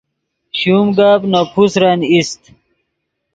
شوم گپ نے پوسرن ایست